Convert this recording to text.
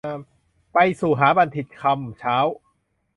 ไปสู่หาบัณทิต ค่ำเช้า